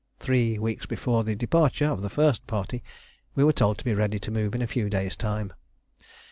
Three weeks before the departure of the first party we were told to be ready to move in a few days' time.